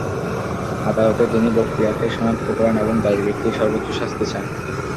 আদালতে তিনি বখতিয়ারকে শনাক্ত করেন এবং দায়ী ব্যক্তির সর্বোচ্চ শাস্তি চান।